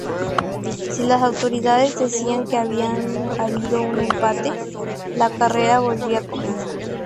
Si las autoridades decidían que había habido un empate, la carrera volvía a comenzar.